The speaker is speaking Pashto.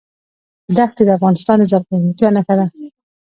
دښتې د افغانستان د زرغونتیا نښه ده.